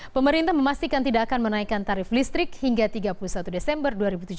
pemerintah memastikan tidak akan menaikkan tarif listrik hingga tiga puluh satu desember dua ribu tujuh belas